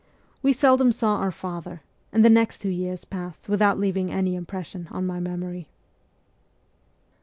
We seldom saw our father, and the next two years passed without leaving any impression on my memory.